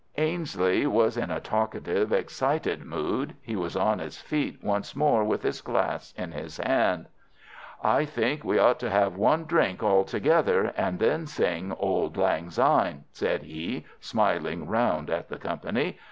Ainslie was in a talkative, excited mood. He was on his feet once more with his glass in his hand. "I think that we ought to have one drink all together, and then sing 'Auld Lang Syne,'" said he, smiling round at the company.